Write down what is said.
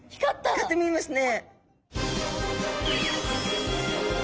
光って見えますね。